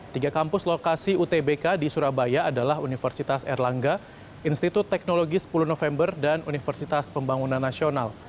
tiga kampus lokasi utbk di surabaya adalah universitas erlangga institut teknologi sepuluh november dan universitas pembangunan nasional